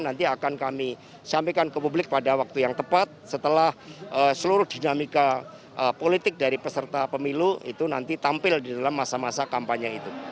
nanti akan kami sampaikan ke publik pada waktu yang tepat setelah seluruh dinamika politik dari peserta pemilu itu nanti tampil di dalam masa masa kampanye itu